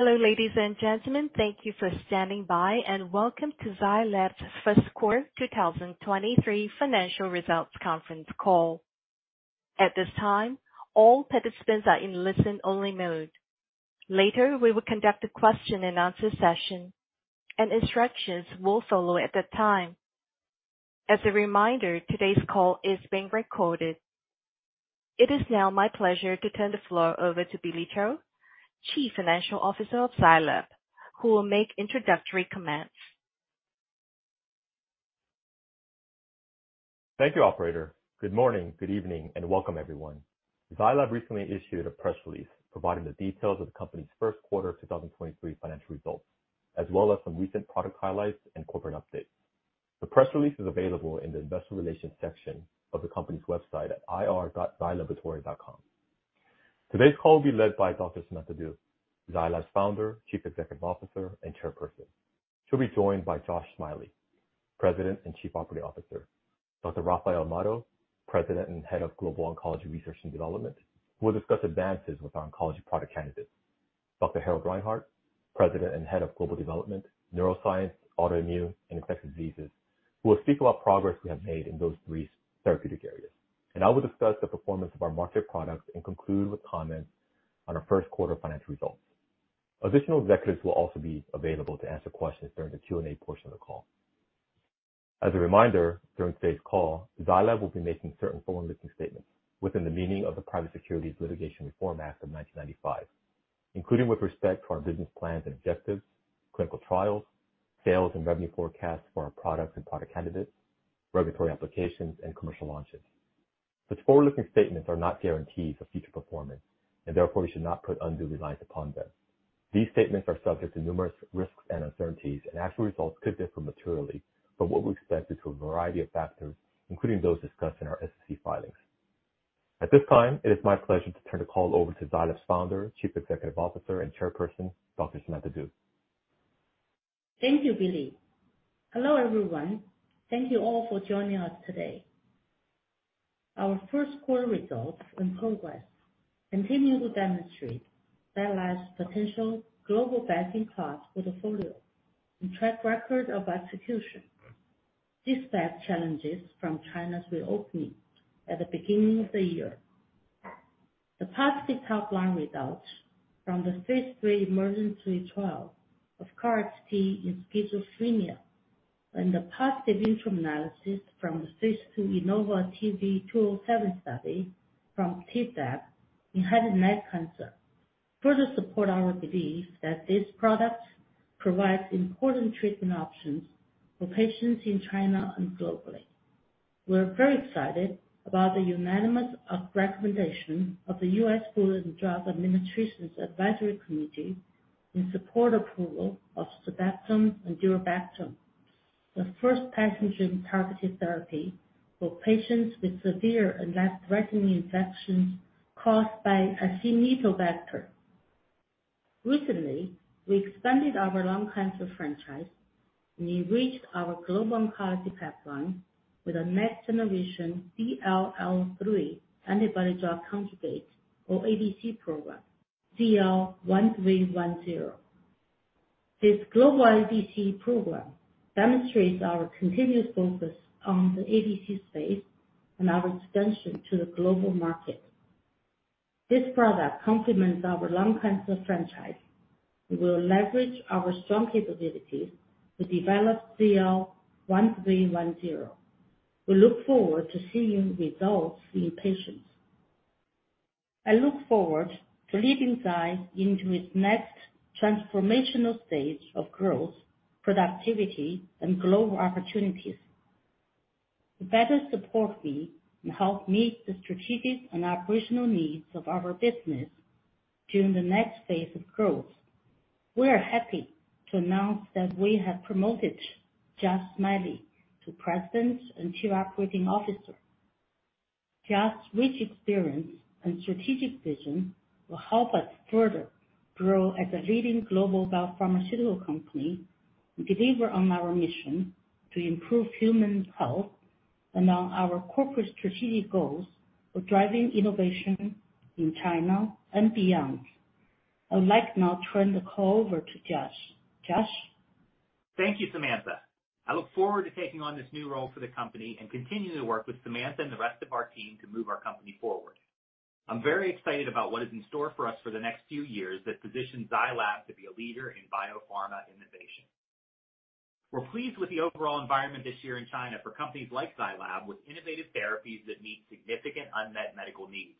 Hello, ladies and gentlemen. Thank you for standing by, and welcome to Zai Lab's Q1 2023 financial results conference call. At this time, all participants are in listen-only mode. Later, we will conduct a question and answer session, and instructions will follow at that time. As a reminder, today's call is being recorded. It is now my pleasure to turn the floor over to Billy Cho, Chief Financial Officer of Zai Lab, who will make introductory comments. Thank you, operator. Good morning, good evening, and welcome everyone. Zai Lab recently issued a press release providing the details of the company's Q1 of 2023 financial results, as well as some recent product highlights and corporate updates. The press release is available in the investor relations section of the company's website at ir.zailaboratory.com. Today's call will be led by Dr. Samantha Du, Zai Lab's founder, chief executive officer and chairperson. She'll be joined by Josh Smiley, president and chief operating officer. Dr. Rafael Amado, president and head of Global Oncology Research and Development, will discuss advances with our oncology product candidates. Dr. Harald Reinhart, president and head of Global Development, Neuroscience, Autoimmune and Infectious Diseases, who will speak about progress we have made in those three therapeutic areas. I will discuss the performance of our market products and conclude with comments on our Q1 financial results. Additional executives will also be available to answer questions during the Q&A portion of the call. As a reminder, during today's call, Zai Lab will be making certain forward-looking statements within the meaning of the Private Securities Litigation Reform Act of 1995, including with respect to our business plans and objectives, clinical trials, sales and revenue forecasts for our products and product candidates, regulatory applications and commercial launches. These forward-looking statements are not guarantees of future performance, and therefore you should not put undue reliance upon them. These statements are subject to numerous risks and uncertainties, and actual results could differ materially from what we expect due to a variety of factors, including those discussed in our SEC filings. At this time, it is my pleasure to turn the call over to Zai Lab's Founder, Chief Executive Officer and Chairperson, Dr. Samantha Du. Thank you, Billy. Hello, everyone. Thank you all for joining us today. Our Q1 results and progress continue to demonstrate Zai Lab's potential global best-in-class portfolio and track record of execution, despite challenges from China's reopening at the beginning of the year. The positive top-line results from the phase III EMERGENT trial of KarXT in schizophrenia, and the positive interim analysis from the phase II innovaTV 207 study from tisotumab vedotin in head and neck cancer, further support our belief that these products provide important treatment options for patients in China and globally. We're very excited about the unanimous recommendation of the US Food and Drug Administration's advisory committee in support approval of sulbactam-durlobactam, the first pathogen targeted therapy for patients with severe and life-threatening infections caused by Acinetobacter. Recently, we expanded our lung cancer franchise and enriched our global oncology pipeline with a next-generation DLL3 antibody-drug conjugate or ADC program, ZL-1310. This global ADC program demonstrates our continuous focus on the ADC space and our expansion to the global market. This product complements our lung cancer franchise and will leverage our strong capabilities to develop ZL-1310. We look forward to seeing results in patients. I look forward to leading Zai into its next transformational stage of growth, productivity and global opportunities. To better support me and help meet the strategic and operational needs of our business during the next phase of growth, we are happy to announce that we have promoted Josh Smiley to President and Chief Operating Officer. Josh's rich experience and strategic vision will help us further grow as a leading global biopharmaceutical company and deliver on our mission to improve human health and on our corporate strategic goals of driving innovation in China and beyond. I would like now turn the call over to Josh. Josh? Thank you, Samantha. I look forward to taking on this new role for the company and continuing to work with Samantha and the rest of our team to move our company forward. I'm very excited about what is in store for us for the next few years that position Zai Lab to be a leader in biopharma innovation. We're pleased with the overall environment this year in China for companies like Zai Lab, with innovative therapies that meet significant unmet medical needs.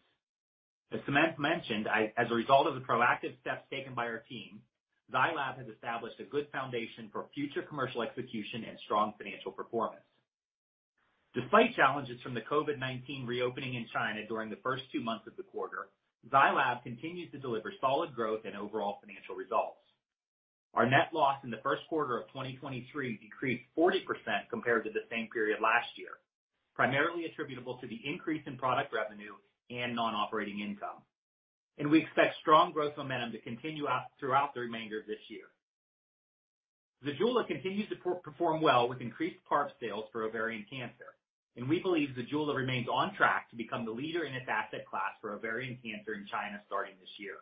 As Samantha mentioned, as a result of the proactive steps taken by our team, Zai Lab has established a good foundation for future commercial execution and strong financial performance. Despite challenges from the COVID-19 reopening in China during the first 2 months of the quarter, Zai Lab continues to deliver solid growth and overall financial results. Our net loss in the Q1 of 2023 decreased 40% compared to the same period last year, primarily attributable to the increase in product revenue and non-operating income. We expect strong growth momentum to continue out throughout the remainder of this year. ZEJULA continues to perform well with increased PARP sales for ovarian cancer, and we believe ZEJULA remains on track to become the leader in its asset class for ovarian cancer in China starting this year.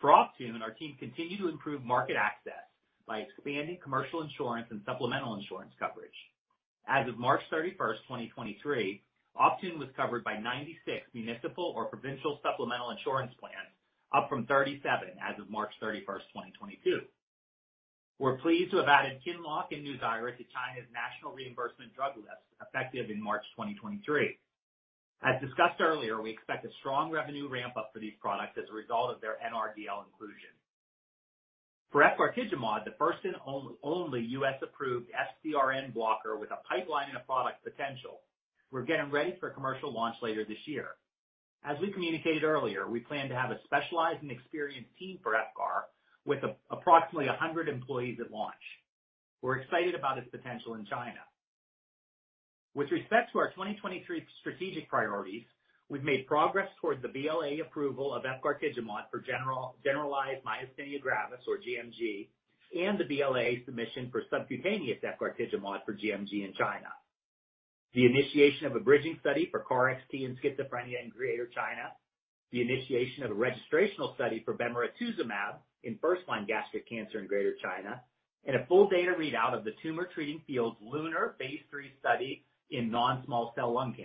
For Optune, our team continued to improve market access by expanding commercial insurance and supplemental insurance coverage. As of March 31st, 2023, Optune was covered by 96 municipal or provincial supplemental insurance plans, up from 37 as of March 31st, 2022. We're pleased to have added QINLOCK and NUZYRA to China's National Reimbursement Drug List, effective in March 2023. As discussed earlier, we expect a strong revenue ramp-up for these products as a result of their NRDL inclusion. For efgartigimod, the first and only U.S.-approved FcRn blocker with a pipeline and a product potential, we're getting ready for commercial launch later this year. As we communicated earlier, we plan to have a specialized and experienced team for efgartigimod, with approximately 100 employees at launch. We're excited about its potential in China. With respect to our 2023 strategic priorities, we've made progress towards the BLA approval of efgartigimod for generalized myasthenia gravis, or GMG, and the BLA submission for subcutaneous efgartigimod for GMG in China. The initiation of a bridging study for KarXT in schizophrenia in Greater China, the initiation of a registrational study for bemarituzumab in first-line gastric cancer in Greater China, and a full data readout of the Tumor Treating Fields LUNAR phase III study in NSCLC.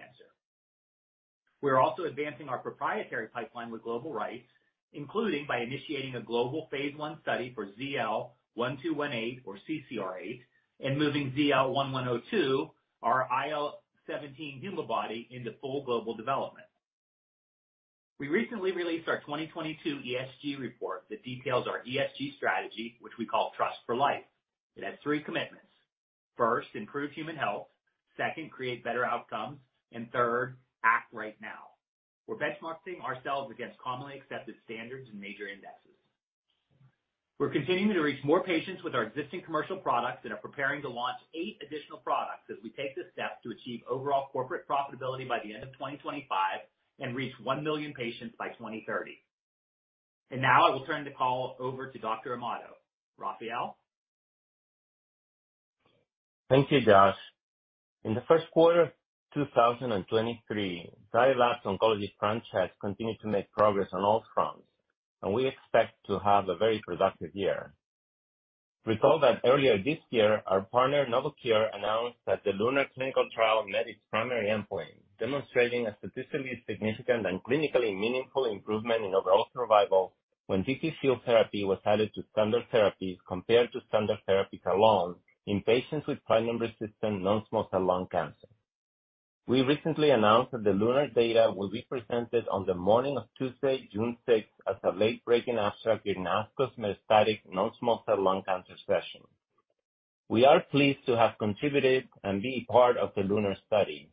We're also advancing our proprietary pipeline with global rights, including by initiating a global phase I study for ZL-1218 or CCR8, and moving ZL-1102, our IL-17 antibody into full global development. We recently released our 2022 ESG report that details our ESG strategy, which we call Trust for Life. It has three commitments. First, improve human health. Second, create better outcomes. Third, act right now. We're benchmarking ourselves against commonly accepted standards and major indexes. We're continuing to reach more patients with our existing commercial products and are preparing to launch 8 additional products as we take the steps to achieve overall corporate profitability by the end of 2025 and reach 1 million patients by 2030. Now I will turn the call over to Dr. Amado. Rafael? Thank you, Josh. In the Q1 of 2023, Zai Lab's oncology franchise continued to make progress on all fronts, we expect to have a very productive year. Recall that earlier this year, our partner, Novocure, announced that the LUNAR clinical trial met its primary endpoint, demonstrating a statistically significant and clinically meaningful improvement in overall survival when TTFields therapy was added to standard therapies compared to standard therapies alone in patients with platinum-resistant non-small cell lung cancer. We recently announced that the LUNAR data will be presented on the morning of Tuesday, June 6, at a late-breaking abstract in ASCO's metastatic non-small cell lung cancer session. We are pleased to have contributed and be part of the LUNAR study.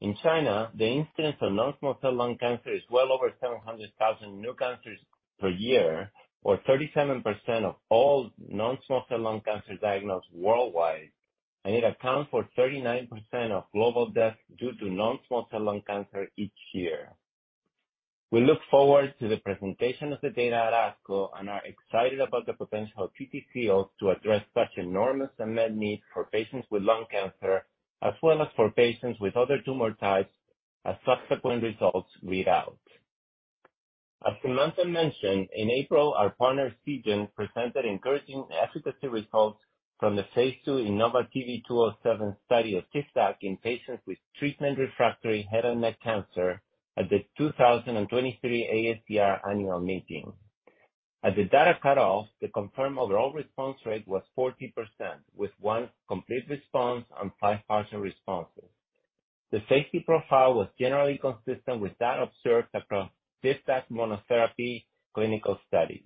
In China, the incidence of non-small cell lung cancer is well over 700,000 new cancers per year, or 37% of all non-small cell lung cancer diagnosed worldwide. It accounts for 39% of global deaths due to non-small cell lung cancer each year. We look forward to the presentation of the data at ASCO and are excited about the potential TTFields to address such enormous unmet needs for patients with lung cancer, as well as for patients with other tumor types as subsequent results read out. As Samantha mentioned, in April, our partner, Seagen, presented encouraging efficacy results from the phase II innovaTV 207 study of TIVDAK in patients with treatment-refractory head and neck cancer at the 2023 ASCO annual meeting. At the data cut-off, the confirmed overall response rate was 40%, with 1 complete response and 5 partial responses. The safety profile was generally consistent with that observed across TIVDAK monotherapy clinical studies.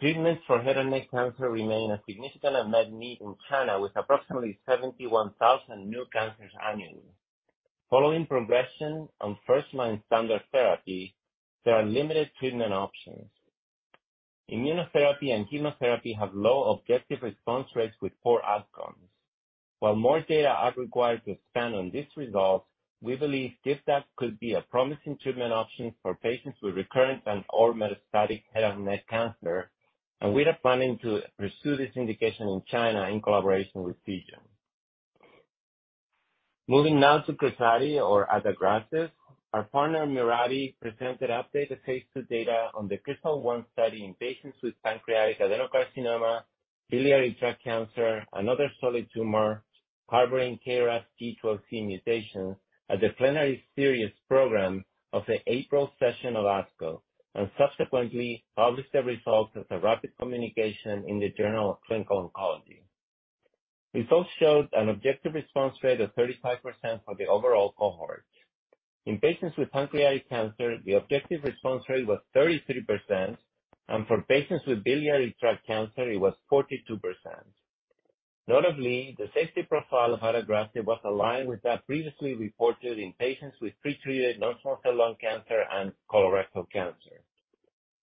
Treatments for head and neck cancer remain a significant unmet need in China, with approximately 71,000 new cancers annually. Following progression on first-line standard therapy, there are limited treatment options. Immunotherapy and chemotherapy have low objective response rates with poor outcomes. While more data are required to expand on these results, we believe TIVDAK could be a promising treatment option for patients with recurrent and/or metastatic head and neck cancer, and we are planning to pursue this indication in China in collaboration with Seagen. Moving now to KRAZATI or adagrasib. Our partner, Mirati, presented updated phase II data on the KRYSTAL-1 study in patients with pancreatic adenocarcinoma, biliary tract cancer, and other solid tumor harboring KRAS G12C mutations at the plenary series program of the April session of ASCO. Subsequently published the results as a rapid communication in the Journal of Clinical Oncology. Results showed an objective response rate of 35% for the overall cohort. In patients with pancreatic cancer, the objective response rate was 33%, and for patients with biliary tract cancer, it was 42%. Notably, the safety profile of adagrasib was aligned with that previously reported in patients with pre-treated non-small cell lung cancer and colorectal cancer.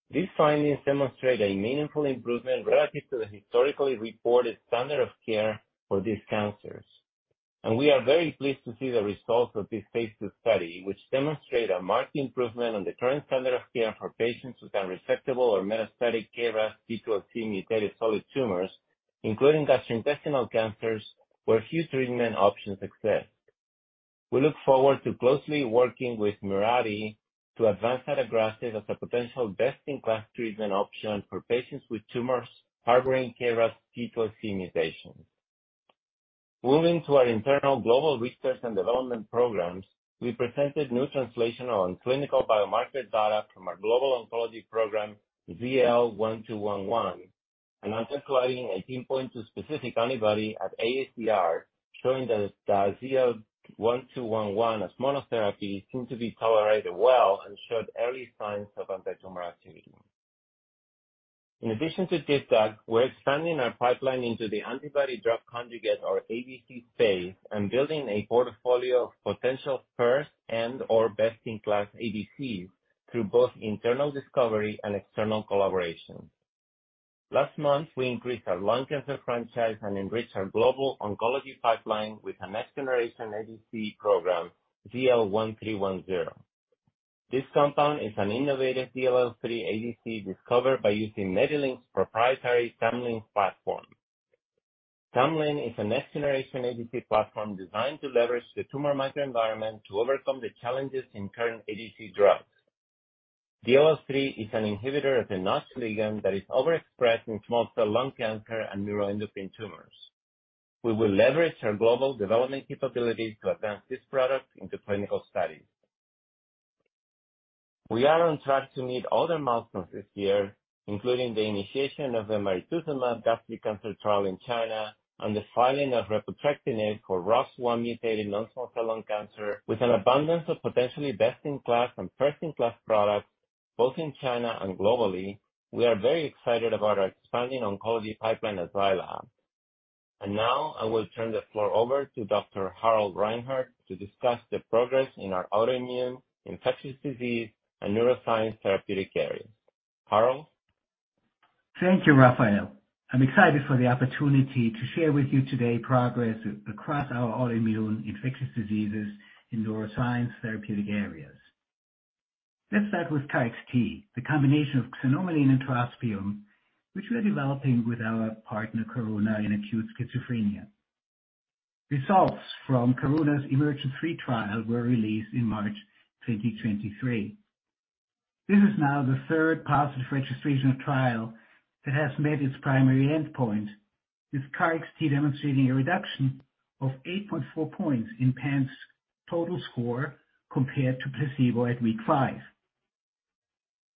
These findings demonstrate a meaningful improvement relative to the historically reported standard of care for these cancers. We are very pleased to see the results of this phase II study, which demonstrate a marked improvement on the current standard of care for patients with unresectable or metastatic KRAS G12C mutated solid tumors, including gastrointestinal cancers, where huge treatment options exist. We look forward to closely working with Mirati to advance adagrasib as a potential best-in-class treatment option for patients with tumors harboring KRAS G12C mutations. Moving to our internal global research and development programs, we presented new translation on clinical biomarker data from our global oncology program, ZL-1211, an anti-CLDN18.2 specific antibody at AACR, showing that ZL-1211 as monotherapy seemed to be tolerated well and showed early signs of anti-tumor activity. In addition to TIVDAK, we're expanding our pipeline into the antibody drug conjugate, or ADC space, and building a portfolio of potential first and or best-in-class ADCs through both internal discovery and external collaboration. Last month, we increased our lung cancer franchise and enriched our global oncology pipeline with a next-generation ADC program, ZL-1310. This compound is an innovative DLL3 ADC discovered by using MediLinx's proprietary TumLinx platform. TumLinx is a next-generation ADC platform designed to leverage the tumor microenvironment to overcome the challenges in current ADC drugs. DLL3 is an inhibitor of the Notch ligand that is overexpressed in small cell lung cancer and neuroendocrine tumors. We will leverage our global development capabilities to advance this product into clinical studies. We are on track to meet other milestones this year, including the initiation of the bemarituzumab gastric cancer trial in China and the filing of repotrectinib for ROS1-mutated non-small cell lung cancer with an abundance of potentially best-in-class and first-in-class products, both in China and globally. We are very excited about our expanding oncology pipeline at Zai Lab. Now I will turn the floor over to Dr. Harald Reinhart to discuss the progress in our autoimmune, infectious disease, and neuroscience therapeutic areas. Harald? Thank you, Rafael. I'm excited for the opportunity to share with you today progress across our autoimmune, infectious diseases, and neuroscience therapeutic areas. Let's start with KarXT, the combination of xanomeline and trospium, which we are developing with our partner Karuna in acute schizophrenia. Results from Karuna's EMERGENT-3 trial were released in March 2023. This is now the 3rd positive registration trial that has met its primary endpoint, with KarXT demonstrating a reduction of 8.4 points in PANSS total score compared to placebo at week five.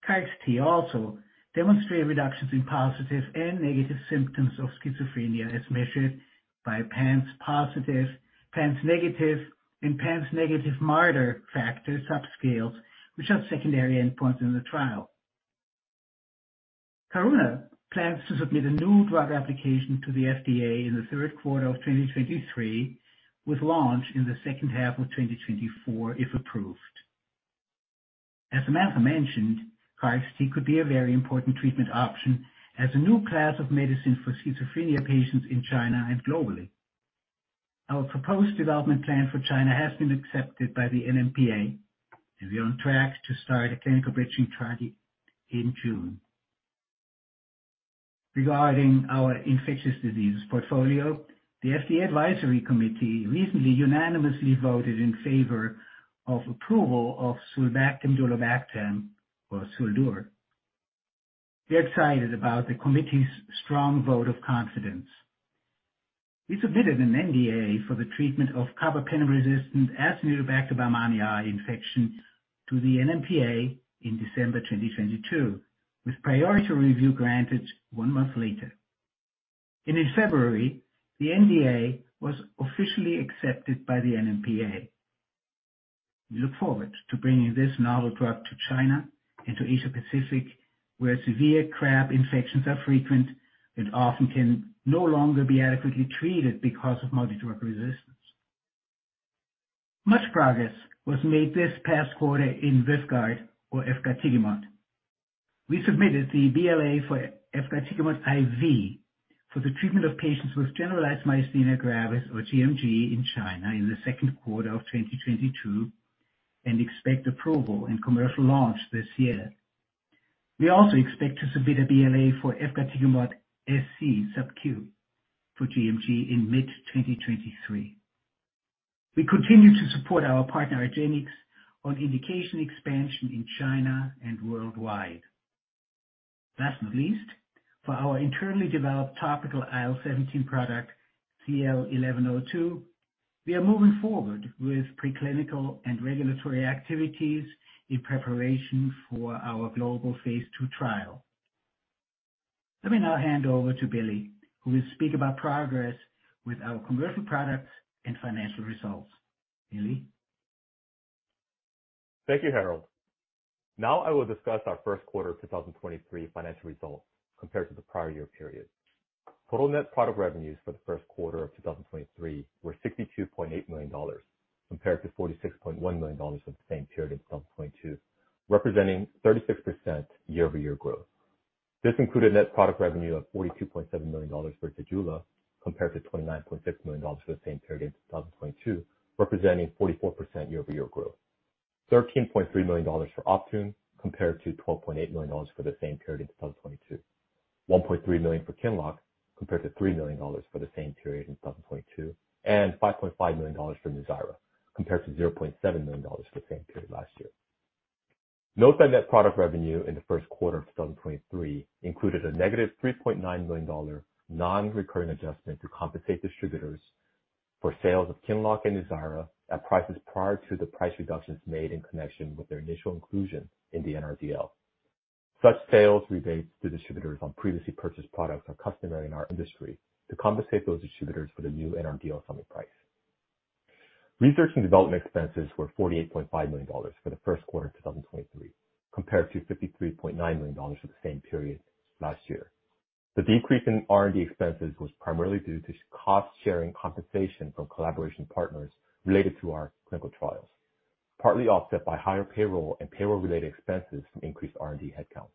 KarXT also demonstrated reductions in positive and negative symptoms of schizophrenia as measured by PANSS positive, PANSS negative, and PANSS negative Marder factor subscales, which are secondary endpoints in the trial. Karuna plans to submit a new drug application to the FDA in the Q3 of 2023, with launch in the 2nd half of 2024, if approved. As Amanda mentioned, KarXT could be a very important treatment option as a new class of medicine for schizophrenia patients in China and globally. Our proposed development plan for China has been accepted by the NMPA. We're on track to start a clinical bridging trial in June. Regarding our infectious diseases portfolio, the FDA advisory committee recently unanimously voted in favor of approval of sulbactam-durlobactam, or SUL-DUR. We're excited about the committee's strong vote of confidence. We submitted an NDA for the treatment of carbapenem-resistant Acinetobacter baumannii infection to the NMPA in December 2022, with priority review granted 1 month later. In February, the NDA was officially accepted by the NMPA. We look forward to bringing this novel drug to China and to Asia-Pacific, where severe CRAB infections are frequent and often can no longer be adequately treated because of multi-drug resistance. Much progress was made this past quarter in VYVGART or efgartigimod. We submitted the BLA for efgartigimod IV for the treatment of patients with generalized myasthenia gravis or gMG in China in the Q2 of 2022, and expect approval and commercial launch this year. We also expect to submit a BLA for efgartigimod SC for gMG in mid-2023. We continue to support our partner, argenx, on indication expansion in China and worldwide. Last but not least, for our internally developed topical IL-17 product, ZL-1102, we are moving forward with preclinical and regulatory activities in preparation for our global phase II trial. Let me now hand over to Billy, who will speak about progress with our commercial products and financial results. Billy? Thank you, Harald. Now I will discuss our Q1 of 2023 financial results compared to the prior year period. Total net product revenues for the Q1 of 2023 were $62.8 million, compared to $46.1 million for the same period in 2022, representing 36% year-over-year growth. This included net product revenue of $42.7 million for ZEJULA compared to $29.6 million for the same period in 2022, representing 44% year-over-year growth. $13.3 million for Optune compared to $12.8 million for the same period in 2022. $1.3 million for QINLOCK compared to $3 million for the same period in 2022, and $5.5 million for NUZYRA compared to $0.7 million for the same period last year. Note that net product revenue in the Q1 of 2023 included a negative $3.9 million non-recurring adjustment to compensate distributors for sales of QINLOCK and NUZYRA at prices prior to the price reductions made in connection with their initial inclusion in the NRDL. Such sales rebates to distributors on previously purchased products are customary in our industry to compensate those distributors for the new NRDL selling price. Research and development expenses were $48.5 million for the Q1 of 2023, compared to $53.9 million for the same period last year. The decrease in R&D expenses was primarily due to cost-sharing compensation from collaboration partners related to our clinical trials, partly offset by higher payroll and payroll-related expenses from increased R&D headcounts.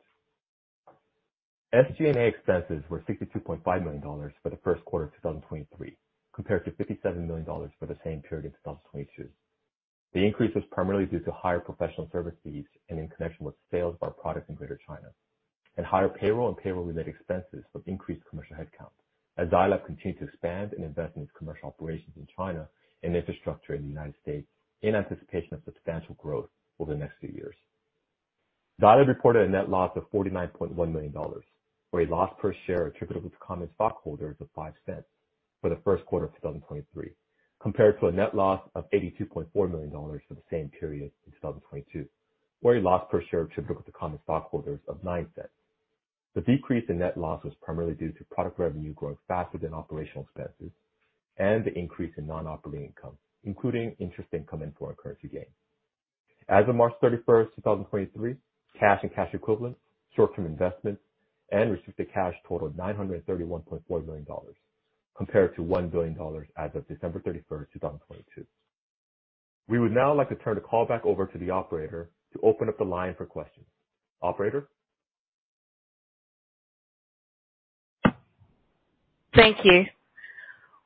SG&A expenses were $62.5 million for the Q1 of 2023, compared to $57 million for the same period in 2022. The increase was primarily due to higher professional service fees and in connection with sales of our products in Greater China. Higher payroll and payroll-related expenses with increased commercial headcount as Zai Lab continued to expand and invest in its commercial operations in China and infrastructure in the United States in anticipation of substantial growth over the next few years. Zai Lab reported a net loss of $49.1 million, or a loss per share attributable to common stockholders of $0.05 for the Q1 of 2023, compared to a net loss of $82.4 million for the same period in 2022, or a loss per share attributable to common stockholders of $0.09. The decrease in net loss was primarily due to product revenue growing faster than operational expenses and the increase in non-operating income, including interest income and foreign currency gains. As of March 31, 2023, cash and cash equivalents, short-term investments, and restricted cash totaled $931.4 million compared to $1 billion as of December 31, 2022. We would now like to turn the call back over to the operator to open up the line for questions. Operator? Thank you.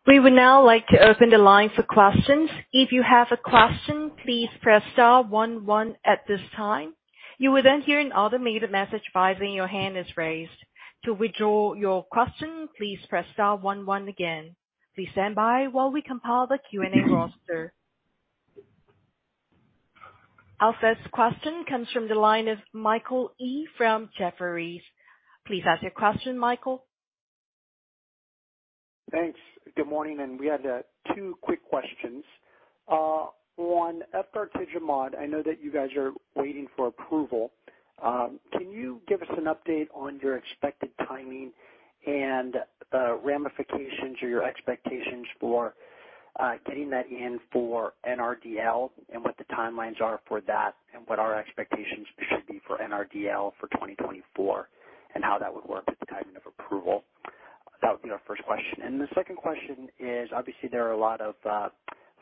We would now like to open the line for questions. If you have a question, please press star one one at this time. You will then hear an automated message advising your hand is raised. To withdraw your question, please press star one one again. Please stand by while we compile the Q&A roster. Our first question comes from the line of Michael Yee from Jefferies. Please ask your question, Michael. Thanks. Good morning. We have 2 quick questions. One, efgartigimod, I know that you guys are waiting for approval. Can you give us an update on your expected timing and ramifications or your expectations for getting that in for NRDL and what the timelines are for that, and what our expectations should be for NRDL for 2024, and how that would work at the timing of approval? That would be our first question. The second question is, obviously there are a lot of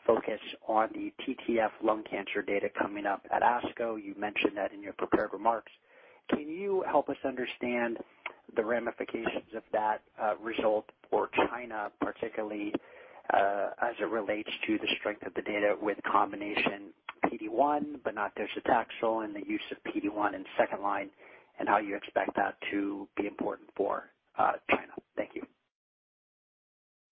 focus on the TTF lung cancer data coming up at ASCO. You mentioned that in your prepared remarks. Can you help us understand the ramifications of that result for China, particularly as it relates to the strength of the data with combination PD-1, but not docetaxel and the use of PD-1 in second line, and how you expect that to be important for China? Thank you.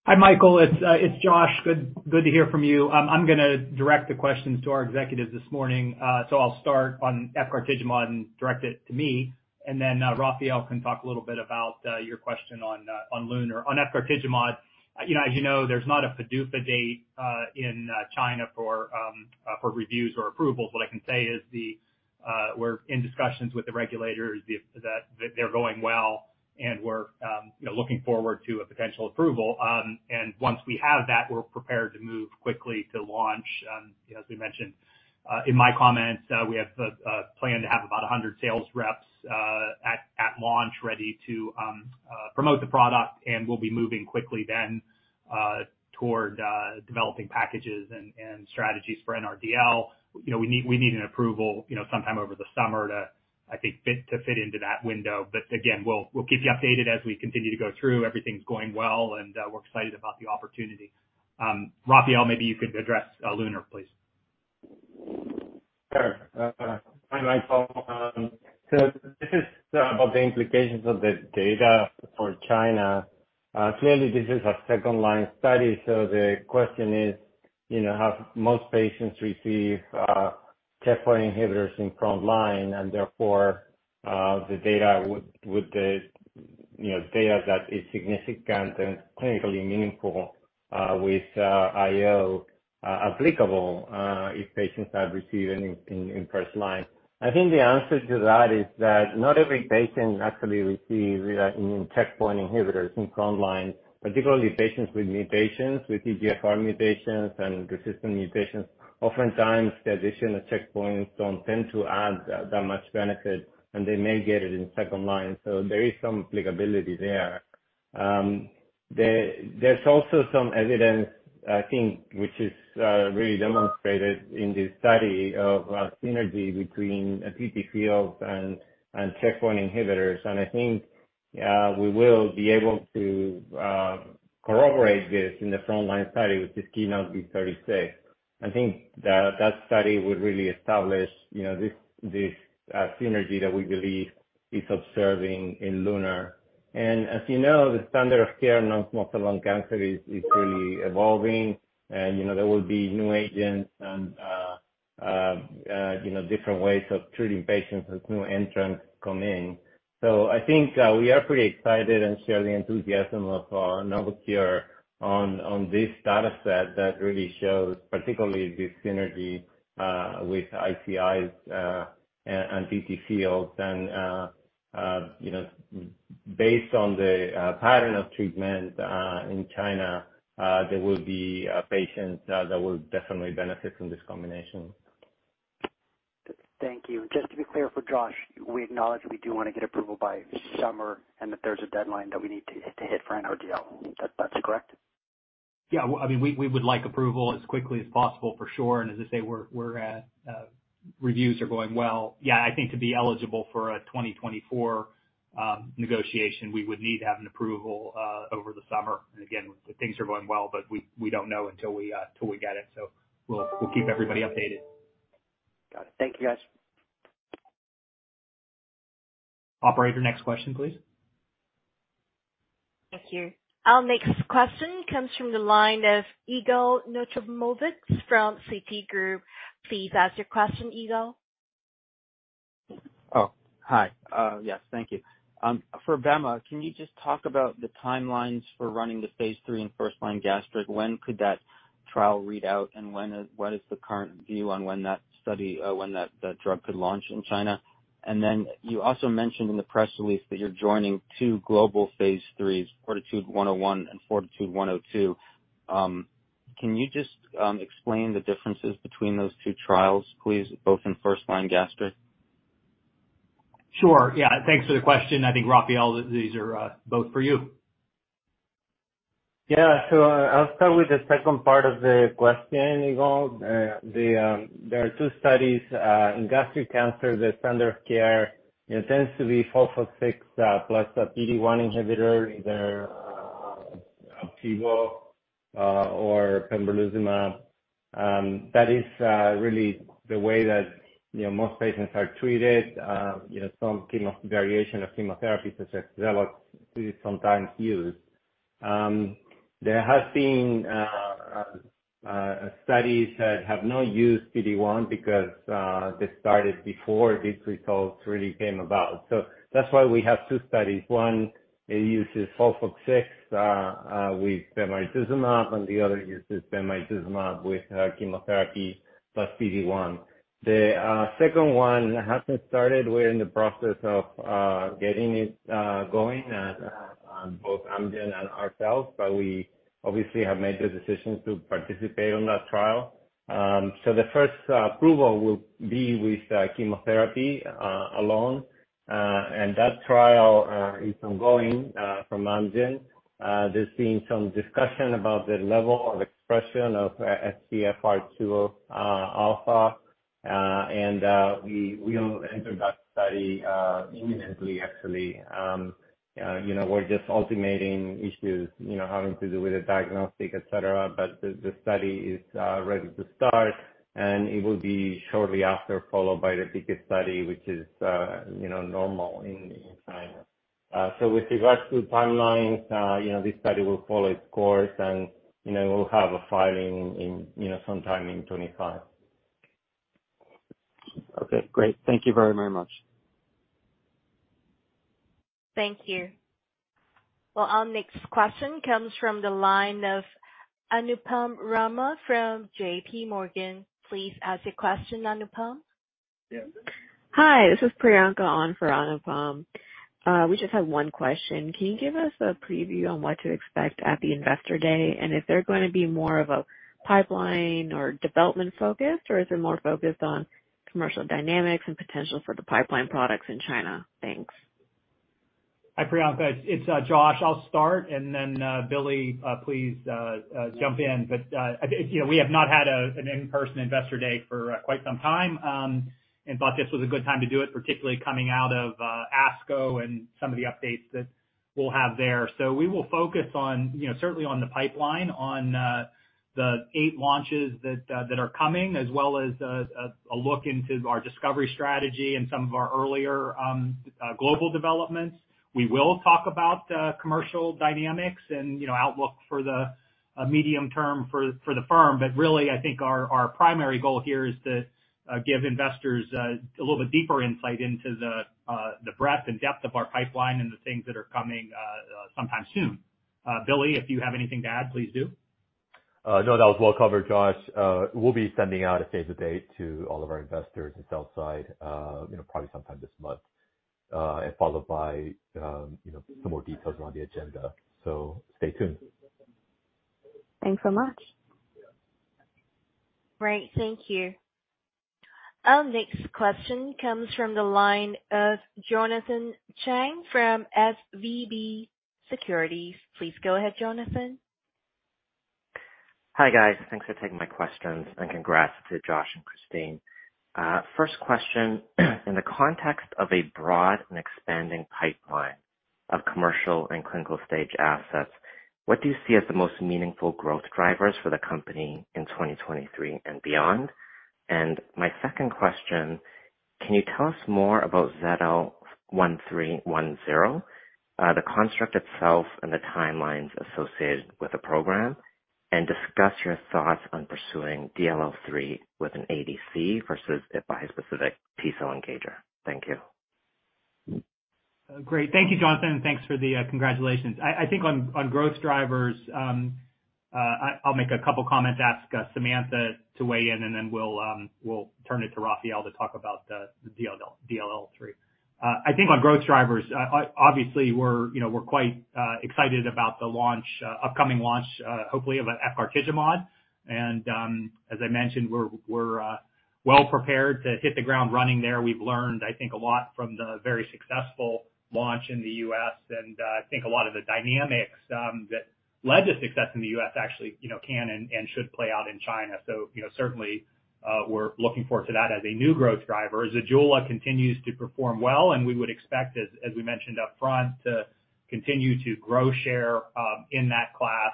Hi, Michael. It's Josh. Good to hear from you. I'm gonna direct the questions to our executives this morning. I'll start on efgartigimod and direct it to me, and then Rafael can talk a little bit about your question on LUNAR. On efgartigimod, you know, as you know, there's not a PDUFA date in China for reviews or approvals. What I can say is we're in discussions with the regulators that they're going well and we're, you know, looking forward to a potential approval. Once we have that, we're prepared to move quickly to launch. As we mentioned, in my comments, we have a plan to have about 100 sales reps at launch ready to promote the product, and we'll be moving quickly then toward developing packages and strategies for NRDL. You know, we need an approval, you know, sometime over the summer to, I think, to fit into that window. Again, we'll keep you updated as we continue to go through. Everything's going well and, we're excited about the opportunity. Rafael, maybe you could address LUNAR, please. Sure. Hi, Michael. This is about the implications of the data for China. Clearly this is a second line study, so the question is, you know, have most patients receive checkpoint inhibitors in front line and therefore, the data, would the, you know, data that is significant and clinically meaningful, with IO, applicable, if patients have received anything in first line? I think the answer to that is that not every patient actually receives a checkpoint inhibitors in front line, particularly patients with mutations, with EGFR mutations and resistant mutations. Oftentimes, the addition of checkpoints don't tend to add that much benefit, and they may get it in second line. There is some applicability there. There's also some evidence, I think, which is really demonstrated in this study of a synergy between anti-FGFR2b and checkpoint inhibitors. I think we will be able to corroborate this in the frontline study with this KEYNOTE-B36. I think that study would really establish, you know, this synergy that we believe is observing in LUNAR. As you know, the standard of care non-small cell lung cancer is really evolving. You know, there will be new agents and, you know, different ways of treating patients as new entrants come in. I think we are pretty excited and share the enthusiasm of Novocure on this data set that really shows particularly this synergy with ICIs and anti-FGFR2b. You know, based on the pattern of treatment in China, there will be patients that will definitely benefit from this combination. Thank you. Just to be clear for Josh, we acknowledge we do wanna get approval by summer, and that there's a deadline that we need to hit for an NRDL. That's correct? Yeah. Well, I mean, we would like approval as quickly as possible for sure. As I say, we're at reviews are going well. Yeah, I think to be eligible for a 2024 negotiation, we would need to have an approval over the summer. Again, things are going well, but we don't know until we till we get it. We'll keep everybody updated. Got it. Thank you guys. Operator, next question please. Thank you. Our next question comes from the line of Igor Nemcovics from CP Group. Please ask your question, Igor. Hi. Yes, thank you. For Bema, can you just talk about the timelines for running the phase III in first-line gastric? When could that trial read out? What is the current view on when that study, when that drug could launch in China? You also mentioned in the press release that you're joining two global phase III, FORTITUDE-101 and FORTITUDE-102. Can you just explain the differences between those two trials please, both in first-line gastric? Sure. Thanks for the question. I think Rafael these are, both for you. I'll start with the second part of the question, Igor. There are two studies in gastric cancer, the standard of care, it tends to be mFOLFOX6 plus a PD-1 inhibitor, either Opdivo or pembrolizumab. That is really the way that, you know, most patients are treated. You know, some variation of chemotherapy such as XELOX is sometimes used. There has been studies that have not used PD-1 because they started before these results really came about. That's why we have two studies. One, it uses mFOLFOX6 with pembrolizumab, and the other uses pembrolizumab with chemotherapy plus PD-1. The second one hasn't started. We're in the process of getting it going, both Amgen and ourselves. We obviously have made the decision to participate on that trial. The first approval will be with chemotherapy alone. That trial is ongoing from Amgen. There's been some discussion about the level of expression of FGFR2b. We will enter that study imminently actually. You know, we're just ultimating issues, you know, having to do with the diagnostic, et cetera. The study is ready to start, and it will be shortly after followed by the biggest study which is, you know, normal in China. With regards to timelines, you know, this study will follow its course and, you know, we'll have a filing in, you know, sometime in 25. Okay great. Thank you very, very much. Thank you. Well, our next question comes from the line of Anupam Rama from J.P. Morgan. Please ask your question, Anupam. Yeah. Hi, this is Priyanka on for Anupam. We just have one question. Can you give us a preview on what to expect at the Investor Day? If they're gonna be more of a pipeline or development focused, or is it more focused on commercial dynamics and potential for the pipeline products in China? Thanks. Hi, Priyanka. It's Josh, I'll start and then Billy, please jump in. You know, we have not had an in-person Investor Day for quite some time. Thought this was a good time to do it, particularly coming out of ASCO and some of the updates that we'll have there. We will focus on, you know, certainly on the pipeline, on the eight launches that are coming, as well as a look into our discovery strategy and some of our earlier global developments. We will talk about commercial dynamics and, you know, outlook for the medium term for the firm. Really, I think our primary goal here is to give investors a little bit deeper insight into the breadth and depth of our pipeline and the things that are coming sometime soon. Billy, if you have anything to add, please do. No, that was well covered, Josh. We'll be sending out a save the date to all of our investors and sell side, you know, probably sometime this month, and followed by, you know, some more details on the agenda. Stay tuned. Thanks so much. Great. Thank you. Our next question comes from the line of Jonathan Chang from SVB Securities. Please go ahead, Jonathan. Hi, guys. Thanks for taking my questions, and congrats to Josh and Christine. First question. In the context of a broad and expanding pipeline of commercial and clinical stage assets, what do you see as the most meaningful growth drivers for the company in 2023 and beyond? My second question, can you tell us more about ZL-1310, the construct itself and the timelines associated with the program, and discuss your thoughts on pursuing DLL3 with an ADC versus a bispecific T cell engager. Thank you. Great. Thank you, Jonathan, and thanks for the congratulations. I think on growth drivers, I'll make a couple comments, ask Samantha to weigh in, and then we'll turn it to Rafael to talk about the DLL3. I think on growth drivers, obviously we're, you know, we're quite excited about the launch, upcoming launch, hopefully of efgartigimod. As I mentioned, we're well prepared to hit the ground running there. We've learned, I think, a lot from the very successful launch in the U.S., and I think a lot of the dynamics that led to success in the U.S. actually, you know, can and should play out in China. You know, certainly, we're looking forward to that as a new growth driver. ZEJULA continues to perform well, and we would expect, as we mentioned up front, to continue to grow share in that class,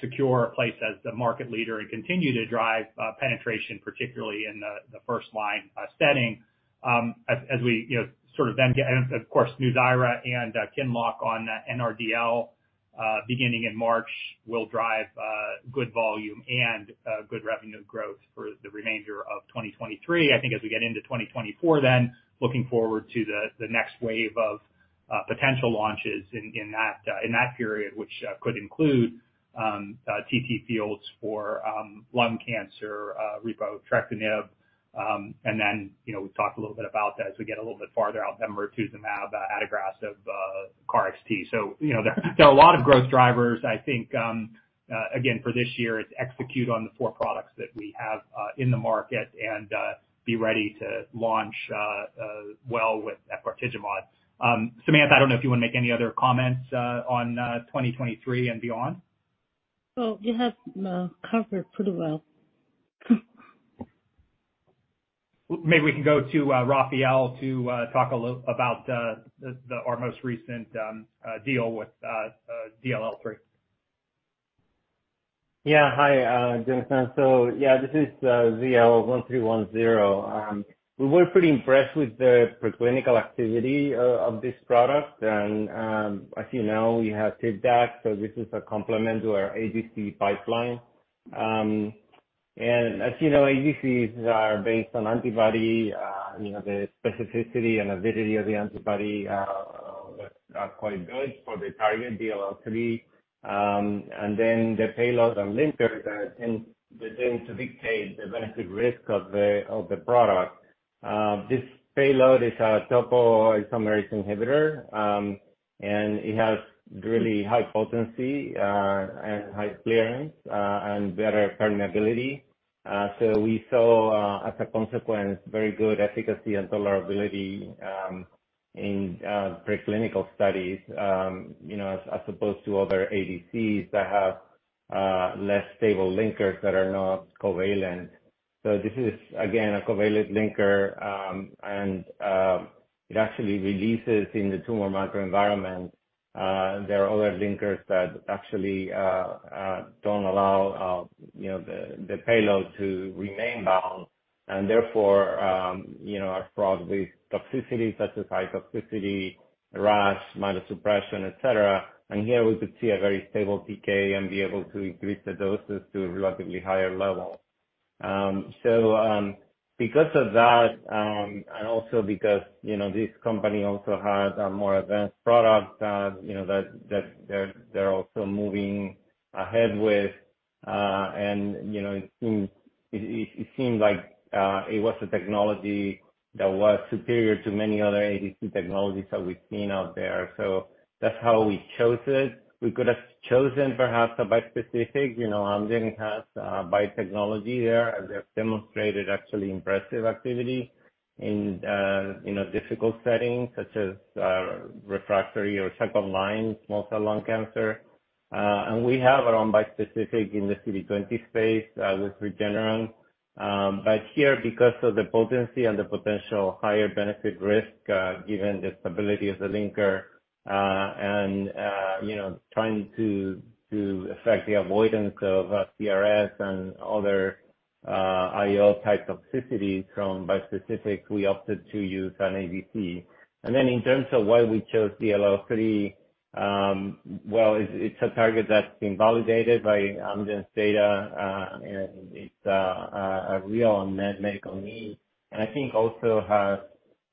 secure a place as the market leader and continue to drive penetration, particularly in the first line setting. As we, you know. NUZYRA and QINLOCK on the NRDL, beginning in March, will drive good volume and good revenue growth for the remainder of 2023. I think as we get into 2024 then, looking forward to the next wave of potential launches in that period, which could include TTFields for lung cancer, repotrectinib. You know, we talked a little bit about that as we get a little bit farther out, pembrolizumab, adagrasib, KarXT. You know, there are a lot of growth drivers. I think, again, for this year it's execute on the 4 products that we have in the market and be ready to launch well with efgartigimod. Samantha, I don't know if you want to make any other comments on 2023 and beyond. Oh, you have covered pretty well. Maybe we can go to Rafael to talk a little about the, our most recent deal with DLL3. Yeah. Hi, Jonathan. This is ZL-1310. We were pretty impressed with the preclinical activity of this product. As you know, we have TIVDAK, so this is a complement to our ADC pipeline. As you know, ADCs are based on antibody. You know, the specificity and avidity of the antibody are quite good for the target DLL3. Then the payload and linkers, they tend to dictate the benefit risk of the product. This payload is a topoisomerase inhibitor, and it has really high potency, and high clearance, and better permeability. We saw, as a consequence, very good efficacy and tolerability, in preclinical studies, you know, as opposed to other ADCs that have less stable linkers that are not covalent. This is again, a covalent linker, and it actually releases in the tumor microenvironment. There are other linkers that actually don't allow, you know, the payload to remain bound, and therefore, you know, are fraught with toxicity such as high toxicity, rash, immunosuppression, et cetera. Here we could see a very stable PK and be able to increase the doses to a relatively higher level. Because of that, and also because, you know, this company also has a more advanced product, you know, that they're also moving ahead with. You know, it seems, it seemed like it was a technology that was superior to many other ADC technologies that we've seen out there. That's how we chose it. We could have chosen perhaps a bispecific, you know, Amgen has biotechnology there, and they have demonstrated actually impressive activity in, you know, difficult settings such as refractory or second line small cell lung cancer. We have our own bispecific in the CD20 space with Regeneron. Here, because of the potency and the potential higher benefit risk, given the stability of the linker, and, you know, trying to affect the avoidance of CRS and other IO type toxicities from bispecific, we opted to use an ADC. In terms of why we chose DLL3, well it's a target that's been validated by Amgen's data. It's a real unmet medical need. I think also has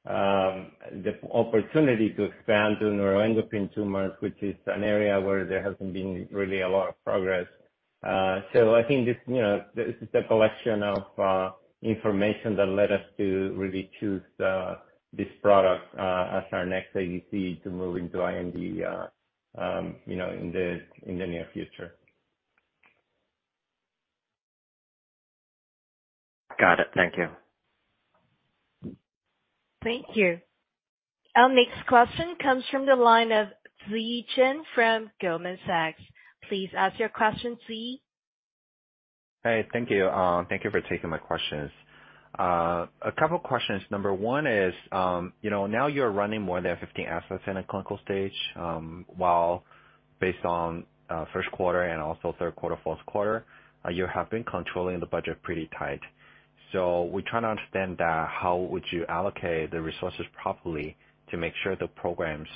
the opportunity to expand to neuroendocrine tumors, which is an area where there hasn't been really a lot of progress. I think this, you know, this is the collection of information that led us to really choose this product as our next ADC to move into IND. You know, in the near future. Got it. Thank you. Thank you. Our next question comes from the line of Ziyi Chen from Goldman Sachs. Please ask your question, Ziyi. Hey, thank you. Thank you for taking my questions. A couple questions. Number one is, you know, now you're running more than 15 assets in a clinical stage, while based on Q1 and also Q3, Q4, you have been controlling the budget pretty tight. We're trying to understand how would you allocate the resources properly to make sure the programs,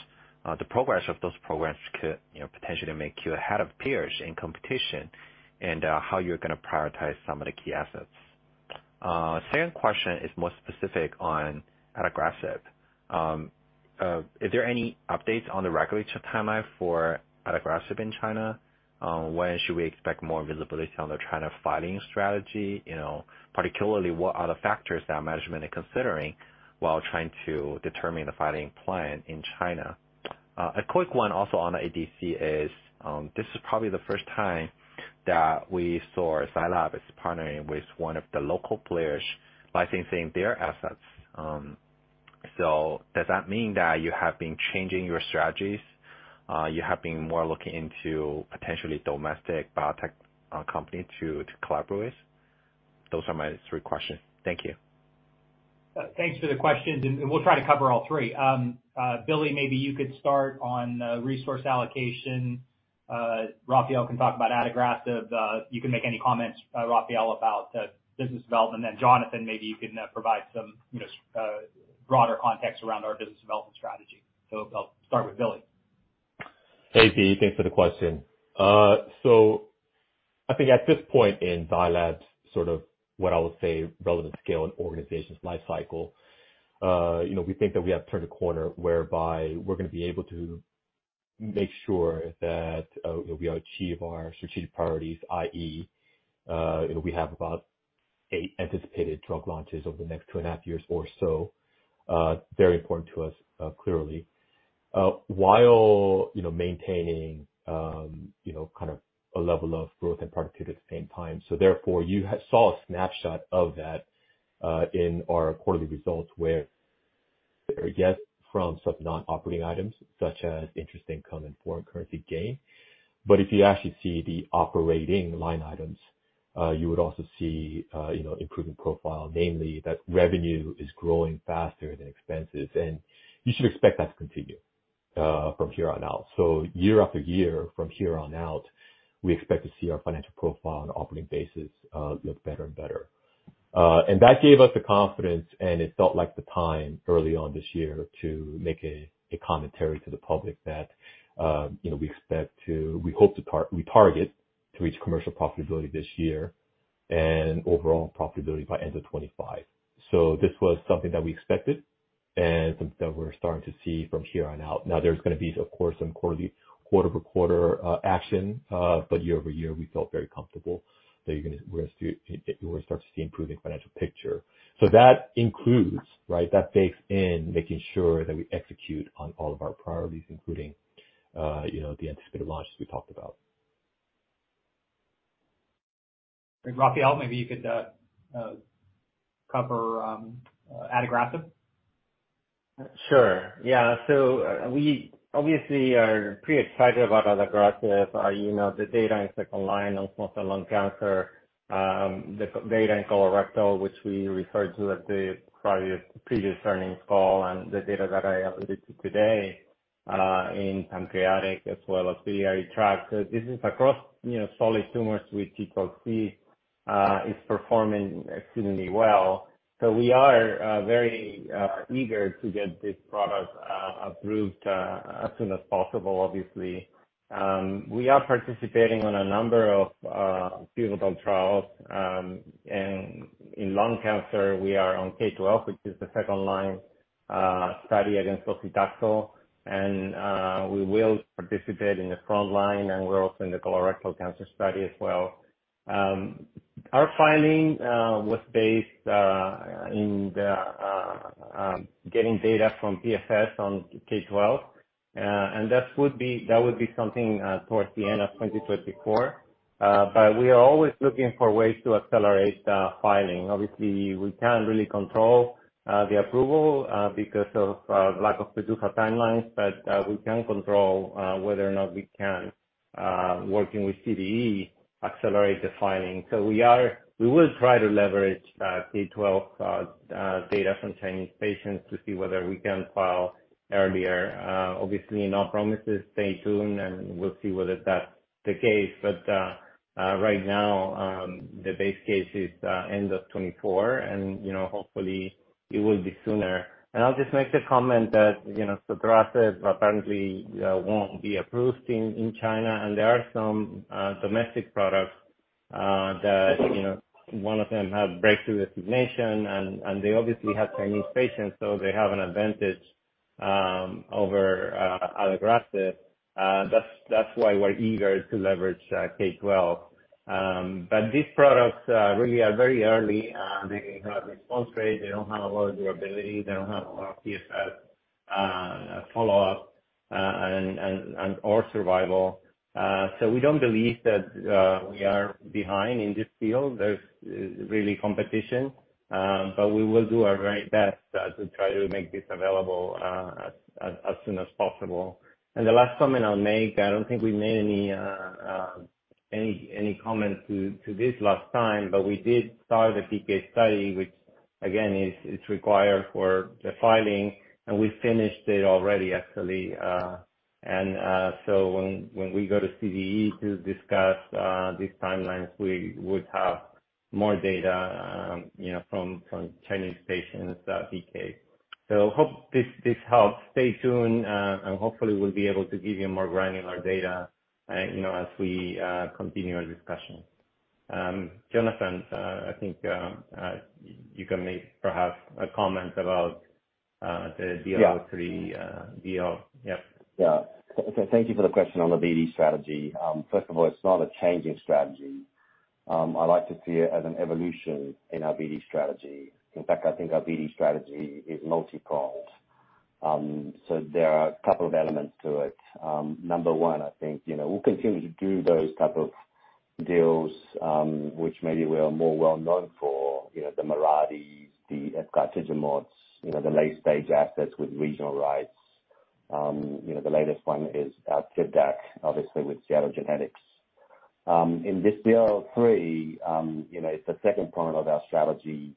the progress of those programs could, you know, potentially make you ahead of peers in competition, and how you're gonna prioritize some of the key assets. Second question is more specific on adagrasib. Is there any updates on the regulatory timeline for adagrasib in China? When should we expect more visibility on the China filing strategy? You know, particularly, what are the factors that management is considering while trying to determine the filing plan in China? A quick one also on ADC is, this is probably the first time that we saw Zai Lab as partnering with one of the local players licensing their assets. Does that mean that you have been changing your strategies? You have been more looking into potentially domestic biotech, company to collaborate? Those are my three questions. Thank you. Thanks for the questions, and we'll try to cover all three. Billy, maybe you could start on resource allocation. Rafael can talk about adagrasib. You can make any comments, Rafael, about business development. Jonathan, maybe you can provide some, you know, broader context around our business development strategy. I'll start with Billy. Hey, Zhi, thanks for the question. I think at this point in Zai Lab's sort of what I would say relevant scale and organization's life cycle, you know, we think that we have turned a corner whereby we're gonna be able to make sure that, you know, we achieve our strategic priorities, i.e., you know, we have about eight anticipated drug launches over the next two and a half years or so. Very important to us, clearly. While, you know, maintaining, you know, kind of a level of growth and productivity at the same time. You saw a snapshot of that in our quarterly results, where they get from some non-operating items such as interest income and foreign currency gain. If you actually see the operating line items, you would also see, you know, improving profile, namely that revenue is growing faster than expenses, and you should expect that to continue from here on out. Year after year from here on out, we expect to see our financial profile on operating basis, look better and better. That gave us the confidence, and it felt like the time early on this year to make a commentary to the public that, you know, we target to reach commercial profitability this year and overall profitability by end of 25. This was something that we expected and something that we're starting to see from here on out. There's gonna be, of course, some quarterly, quarter-over-quarter action, but year-over-year, we felt very comfortable that we're gonna see, you're gonna start to see improving financial picture. That includes, right, that bakes in making sure that we execute on all of our priorities, including, you know, the anticipated launches we talked about. Rafael, maybe you could cover adagrasib. Sure. Yeah. We obviously are pretty excited about adagrasib. You know, the data in second-line on small cell lung cancer, the data in colorectal, which we referred to at the prior, previous earnings call, and the data that I alluded to today, in pancreatic as well as biliary tract. This is across, you know, solid tumors with G12C, is performing exceedingly well. We are very eager to get this product approved as soon as possible, obviously. We are participating on a number of clinical trials, and in lung cancer, we are on K-12, which is the second line study against docetaxel, and we will participate in the front line, and we're also in the colorectal cancer study as well. Our filing was based in the getting data from PFS on K-12. That would be something towards the end of 2024. We are always looking for ways to accelerate the filing. Obviously, we can't really control the approval because of lack of PDUFA timelines, but we can control whether or not we can, working with CDE, accelerate the filing. We will try to leverage K-12 data from Chinese patients to see whether we can file earlier. Obviously, no promises. Stay tuned, and we'll see whether that's the case. Right now, the base case is end of 2024 and, you know, hopefully it will be sooner. I'll just make the comment that, you know, sotorasib apparently won't be approved in China, and there are some domestic products that, you know, one of them have breakthrough designation, and they obviously have Chinese patients, so they have an advantage over adagrasib. That's why we're eager to leverage K-12. These products really are very early, and they have response rate. They don't have a lot of durability, they don't have a lot of PFS, follow-up, or survival. We don't believe that, we are behind in this field. There's really competition, but we will do our very best, to try to make this available, as soon as possible. The last comment I'll make, I don't think we made any comment to this last time, but we did start a PK study, which again, is, it's required for the filing, and we finished it already, actually. When we go to CDE to discuss, these timelines, we would have more data, you know, from Chinese patients, PK. Hope this helps. Stay tuned, and hopefully we'll be able to give you more granular data, you know, as we continue our discussion. Jonathan, I think you can make perhaps a comment about the deal with three. Yep. Yeah. Thank you for the question on the BD strategy. First of all, it's not a changing strategy. I like to see it as an evolution in our BD strategy. In fact, I think our BD strategy is multi-pronged. There are a couple of elements to it. Number one, I think, you know, we'll continue to do those type of deals, which maybe we are more well known for. You know, the Mirades, the Efgartigimod, you know, the late-stage assets with regional rights. You know, the latest one is TIVDAK, obviously with Seattle Genetics. In this BL three, you know, it's the second prong of our strategy,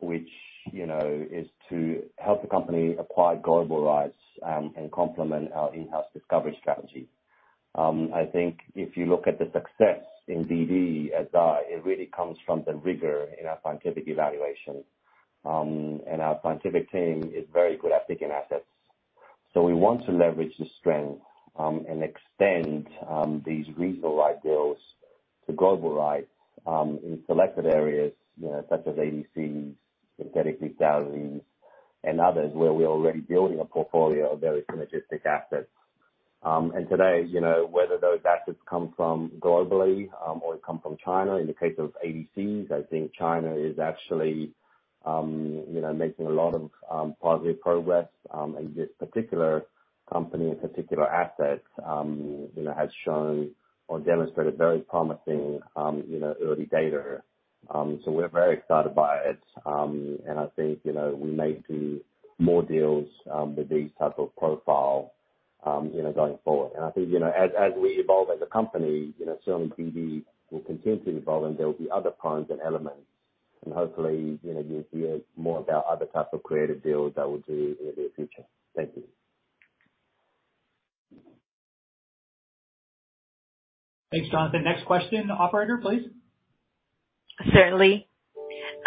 which, you know, is to help the company acquire global rights, and complement our in-house discovery strategy. I think if you look at the success in BD at Zai, it really comes from the rigor in our scientific evaluation. Our scientific team is very good at picking assets. We want to leverage the strength and extend these regional right deals to global rights in selected areas, you know, such as ADCs, synthetic lethality and others where we're already building a portfolio of very synergistic assets. Today, you know, whether those assets come from globally or come from China, in the case of ADCs, I think China is actually, you know, making a lot of positive progress in this particular company and particular assets, you know, has shown or demonstrated very promising, you know, early data. We're very excited by it. I think, you know, we may see more deals with these type of profile, you know, going forward. I think, you know, as we evolve as a company, you know, certainly BD will continue to evolve and there will be other prongs and elements and hopefully, you know, you'll hear more about other types of creative deals that we'll do in the future. Thank you. Thanks, Jonathan. Next question, operator, please. Certainly.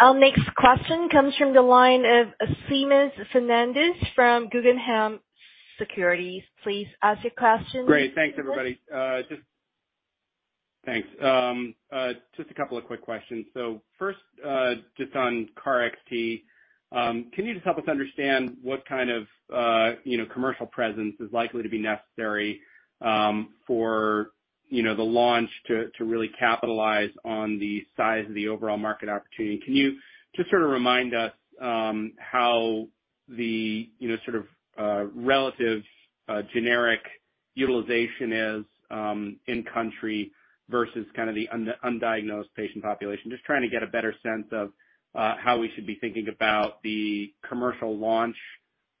Our next question comes from the line of Seamus Fernandez from Guggenheim Securities. Please ask your question. Great. Thanks everybody. Thanks. Just a couple of quick questions. First, just on KarXT, can you just help us understand what kind of, you know, commercial presence is likely to be necessary, for, you know, the launch to really capitalize on the size of the overall market opportunity? Can you just sort of remind us, how the, you know, sort of, relative, generic utilization is, in country versus kind of the undiagnosed patient population? Just trying to get a better sense of, how we should be thinking about the commercial launch,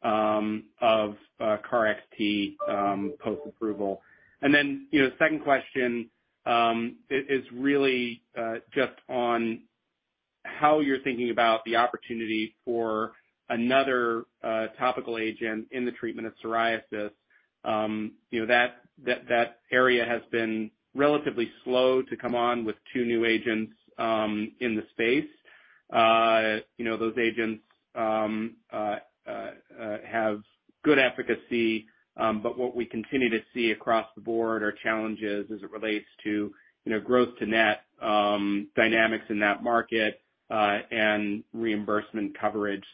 of, KarXT, post-approval. Then, you know, second question, is really, just on how you're thinking about the opportunity for another, topical agent in the treatment of psoriasis. you know, that area has been relatively slow to come on with two new agents in the space. you know, those agents have good efficacy, but what we continue to see across the board are challenges as it relates to, you know, growth to net dynamics in that market and reimbursement coverage.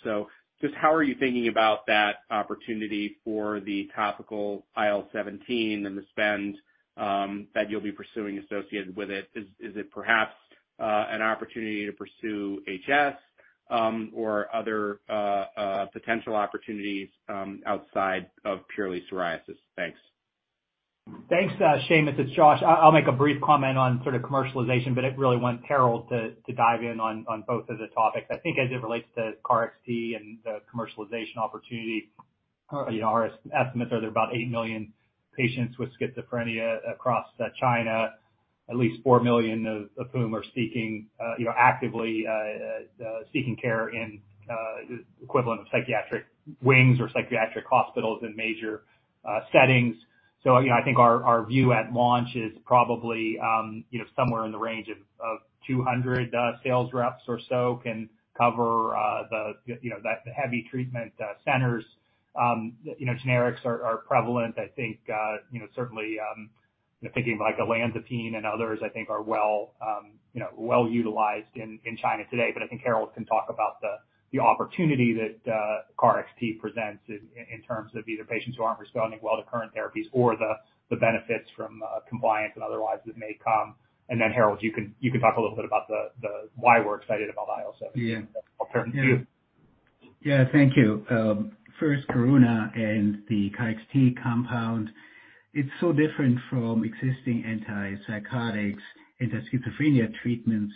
Just how are you thinking about that opportunity for the topical IL-17 and the spend that you'll be pursuing associated with it? Is it perhaps an opportunity to pursue HS or other potential opportunities outside of purely psoriasis? Thanks. Thanks, Seamus. It's Josh. I'll make a brief comment on sort of commercialization, but I really want Harold to dive in on both of the topics. I think as it relates to KarXT and the commercialization opportunity, you know, our estimates are there are about 8 million patients with schizophrenia across China, at least 4 million of whom are seeking, you know, actively seeking care in equivalent of psychiatric wings or psychiatric hospitals in major settings. You know, I think our view at launch is probably, you know, somewhere in the range of 200 sales reps or so can cover, you know, that heavy treatment centers. You know, generics are prevalent. I think, you know, certainly, you know, thinking of like olanzapine and others, I think are well, you know, well utilized in China today. I think Harald can talk about the opportunity that KarXT presents in terms of either patients who aren't responding well to current therapies or the benefits from compliance and otherwise that may come. Then Harald, you can, you can talk a little bit about the why we're excited about IL-17. Yeah. Yeah. Thank you. First Karuna and the KarXT compound, it's so different from existing antipsychotics, schizophrenia treatments,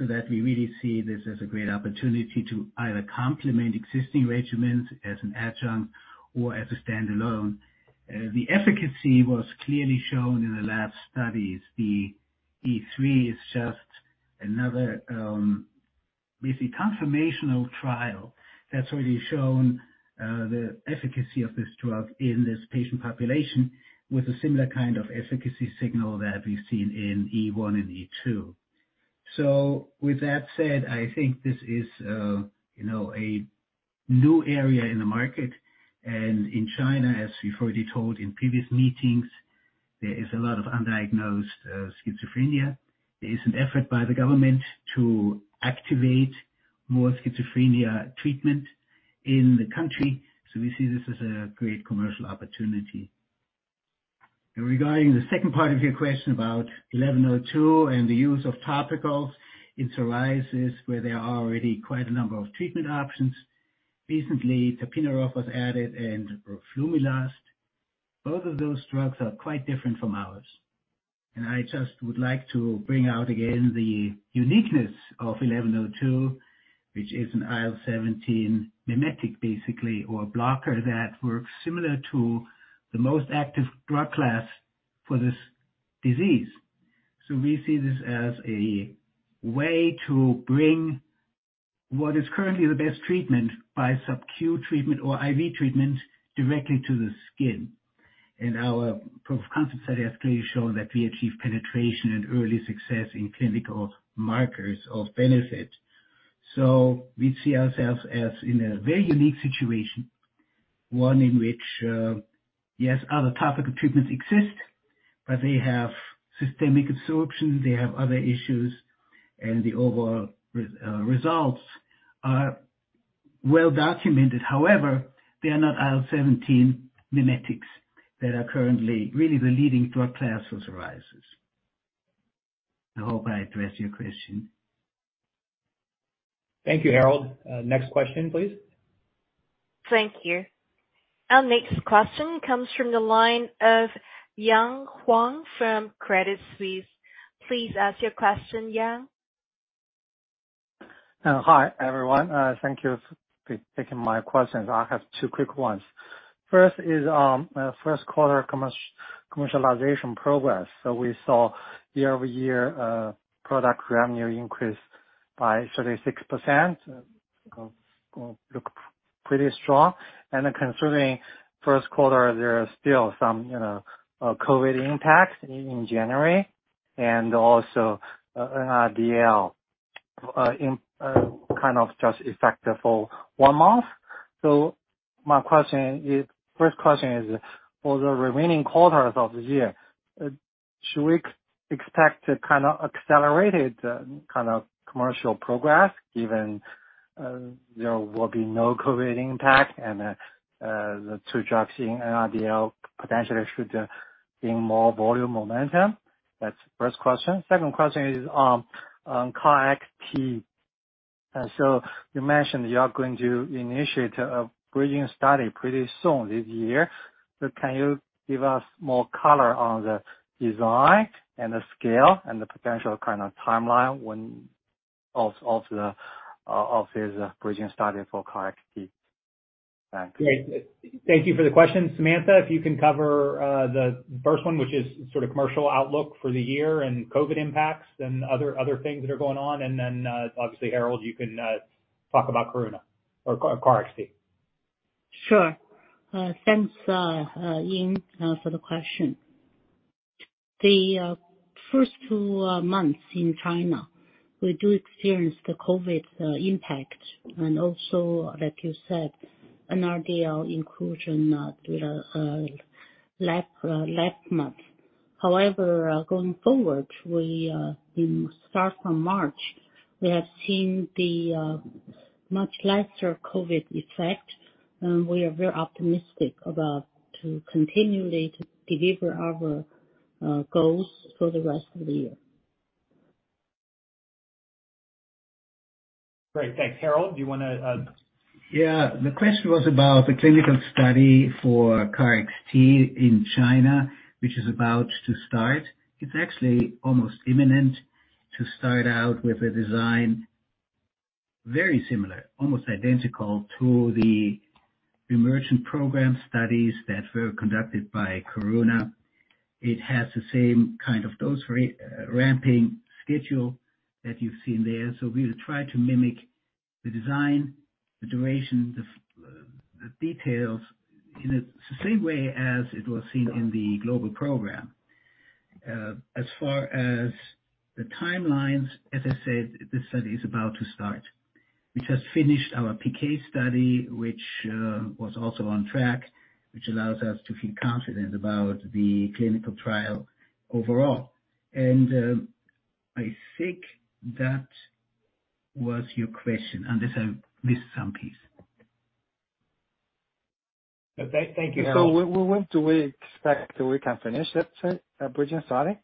that we really see this as a great opportunity to either complement existing regimens as an adjunct or as a standalone. The efficacy was clearly shown in the lab studies. The EMERGENT-3 is just another, we say, confirmational trial that's already shown, the efficacy of this drug in this patient population with a similar kind of efficacy signal that we've seen in EMERGENT-1 and EMERGENT-2. With that said, I think this is, you know, a new area in the market. In China, as we've already told in previous meetings, there is a lot of undiagnosed schizophrenia. There is an effort by the government to activate more schizophrenia treatment in the country. We see this as a great commercial opportunity. Regarding the second part of your question about ZL-1102 and the use of topicals in psoriasis, where there are already quite a number of treatment options. Recently, Tapinarof was added and Roflumilast. Both of those drugs are quite different from ours. I just would like to bring out again the uniqueness of ZL-1102, which is an IL-17 mimetic basically, or a blocker that works similar to the most active drug class for this disease. We see this as a way to bring what is currently the best treatment by sub-Q treatment or IV treatment directly to the skin. Our proof of concept study has clearly shown that we achieve penetration and early success in clinical markers of benefit. We see ourselves as in a very unique situation, one in which, yes, other topical treatments exist, but they have systemic absorption, they have other issues, and the overall results are well documented. However, they are not IL-17 mimetics that are currently really the leading drug class for psoriasis. I hope I addressed your question. Thank you, Harald. Next question, please. Thank you. Our next question comes from the line of Yang Huang from Credit Suisse. Please ask your question, Yang. Hi, everyone. Thank you for taking my questions. I have two quick ones. First is, Q1 commercialization progress. We saw year-over-year product revenue increase by 36%. Look pretty strong. Concerning Q1, there are still some, you know, COVID impacts in January and also an NRDL in kind of just effective for one month. My question is, first question is, for the remaining quarters of the year, should we expect a kind of accelerated kind of commercial progress, given there will be no COVID impact and the two drugs in NRDL potentially should gain more volume momentum? That's first question. Second question is on KarXT. You mentioned you are going to initiate a bridging study pretty soon this year. Can you give us more color on the design and the scale and the potential kind of timeline of this bridging study for KarXT? Thanks. Great. Thank you for the question, Samantha, if you can cover, the first one, which is sort of commercial outlook for the year and COVID impacts and other things that are going on. Obviously, Harold, you can talk about Karuna or KarXT. Sure. Thanks, Yang, for the question. The first two months in China, we do experience the COVID impact, and also, like you said, an NRDL inclusion, with last month. Going forward, we start from March. We have seen the much lesser COVID effect, and we are very optimistic about to continually to deliver our goals for the rest of the year. Great. Thanks. Harald, do you wanna. The question was about the clinical study for KarXT in China, which is about to start. It's actually almost imminent to start out with a design very similar, almost identical to the EMERGENT program studies that were conducted by Karuna. It has the same kind of dose ramping schedule that you've seen there. We'll try to mimic the design, the duration, the details in the same way as it was seen in the global program. As far as the timelines, as I said, the study is about to start. We just finished our PK study, which was also on track, which allows us to feel confident about the clinical trial overall. I think that was your question, unless I missed some piece. Okay. Thank you, Harald. When do we expect we can finish that study, bridging study?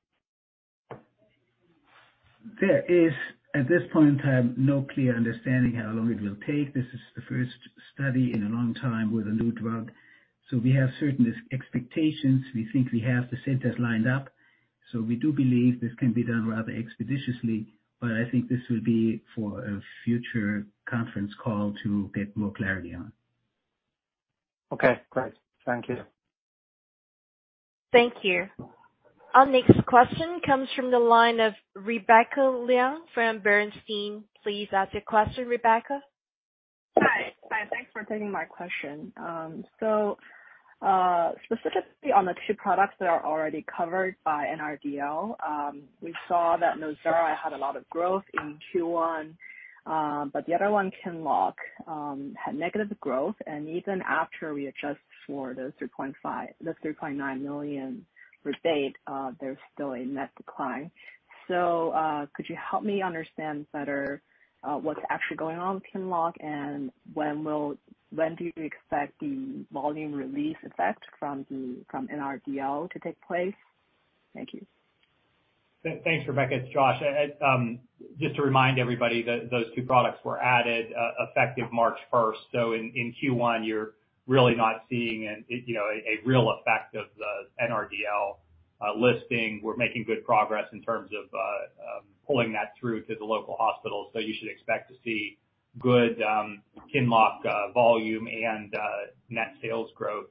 There is, at this point in time, no clear understanding how long it will take. This is the first study in a long time with a new drug. We have certain expectations. We think we have the centers lined up. We do believe this can be done rather expeditiously. I think this will be for a future conference call to get more clarity on. Okay, great. Thank you. Thank you. Our next question comes from the line of Rebecca Liang from Bernstein. Please ask your question, Rebecca. Hi. Thanks for taking my question. Specifically on the two products that are already covered by NRDL, we saw that NUZYRA had a lot of growth in Q1, but the other one, QINLOCK, had negative growth. Even after we adjust for the $3.9 million rebate, there's still a net decline. Could you help me understand better what's actually going on with QINLOCK and when do you expect the volume release effect from the NRDL to take place? Thank you. Thanks, Rebecca. It's Josh. Just to remind everybody that those two products were added effective March first. In Q1, you're really not seeing a real effect of the NRDL listing. We're making good progress in terms of pulling that through to the local hospitals. You should expect to see good QINLOCK volume and net sales growth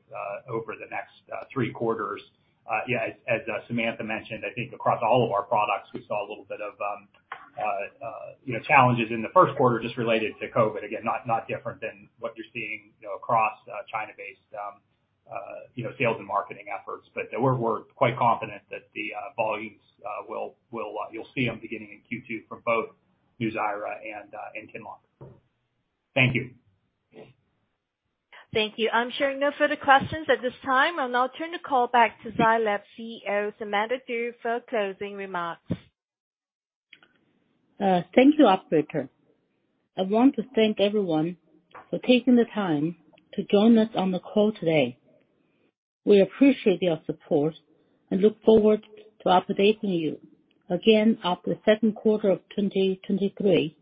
over the next three quarters. Yeah, as Samantha mentioned, I think across all of our products, we saw a little bit of, you know, challenges in the Q1 just related to COVID. Again, not different than what you're seeing, you know, across China-based, you know, sales and marketing efforts. We're quite confident that the volumes will you'll see them beginning in Q2 from both NUZYRA and QINLOCK. Thank you. Thank you. I'm showing no further questions at this time. I'll now turn the call back to Zai Lab's CEO, Samantha Du, for closing remarks. Thank you, operator. I want to thank everyone for taking the time to join us on the call today. We appreciate your support and look forward to updating you again after the Q2 of 2023.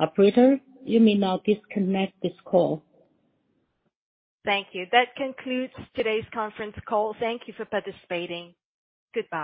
Operator, you may now disconnect this call. Thank you. That concludes today's conference call. Thank you for participating. Goodbye.